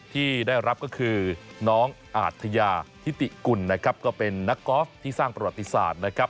ที่ได้รับก็คือน้องอาทยาฮิติกุลเป็นนักกอล์ฟที่สร้างประวัติศาสตร์